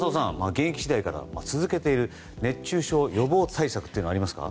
現役時代から続けている熱中症予防対策はありますか？